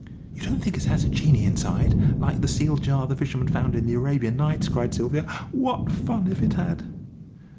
"You don't think it has a genie inside, like the sealed jar the fisherman found in the 'Arabian Nights'?" cried Sylvia. "What fun if it had!"